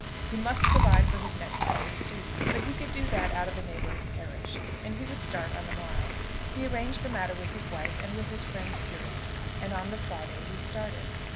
He must provide for his next Sunday's duty, but he could do that out of a neighbouring parish, and he would start on the morrow. He arranged the matter with his wife and with his friend's curate, and on the Friday he started.